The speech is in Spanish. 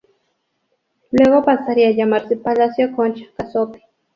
Luego pasaría a llamarse Palacio Concha-Cazotte.